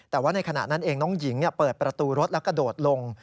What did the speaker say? แต่ว่าในขณะนั้นเองน้องหญิงเปิดประตูรถและกระโดดลง